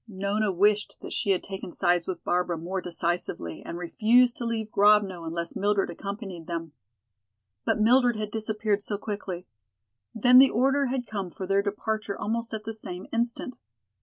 Nona wished that she had taken sides with Barbara more decisively and refused to leave Grovno unless Mildred accompanied them. But Mildred had disappeared so quickly. Then the order had come for their departure almost at the same instant.